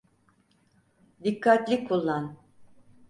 Dikkatli kullan.